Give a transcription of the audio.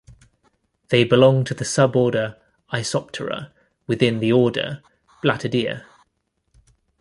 They belong to the sub-order Isoptera within the order Blattodea.